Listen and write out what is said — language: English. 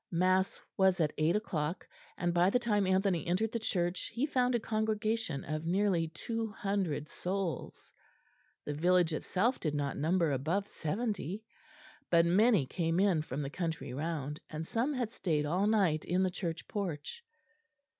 Mass was at eight o'clock, and by the time Anthony entered the church he found a congregation of nearly two hundred souls; the village itself did not number above seventy, but many came in from the country round, and some had stayed all night in the church porch.